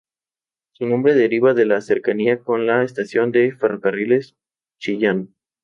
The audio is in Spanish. Su nombre deriva a la cercanía con la estación de ferrocarriles Chillán.